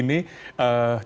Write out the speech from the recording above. terutama ketika berada di